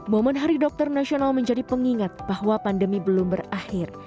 momen hari dokter nasional menjadi pengingat bahwa pandemi belum berakhir